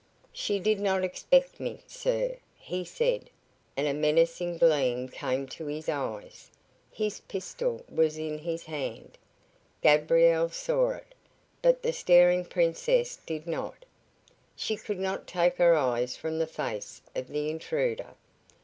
"She did not expect me, sir," he said, and a menacing gleam came to his eyes. His pistol was in his hand. Gabriel saw it, but the staring Princess did not. She could not take her eyes from the face of the intruder.